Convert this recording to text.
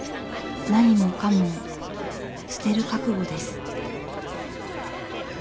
家も親も捨てる覚悟です。